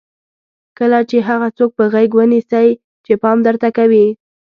کله چې هغه څوک په غېږ ونیسئ چې پام درته کوي.